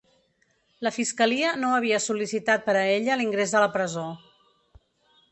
La fiscalia no havia sol·licitat per a ella l’ingrés a la presó.